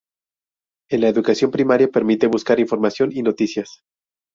En la Educación Primaria permite buscar información y noticias.